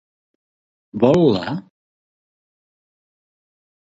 Vol la??